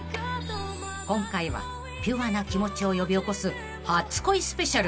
［今回はピュアな気持ちを呼び起こす初恋ＳＰ］